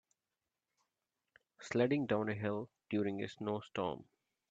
Sledding down a hill during a snowstorm.